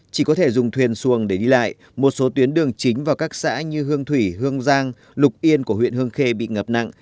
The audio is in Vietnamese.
chỉ có thể dùng thuyền xuồng để đi lại một số tuyến đường chính vào các xã như hương thủy hương giang lục yên của huyện hương khê bị ngập nặng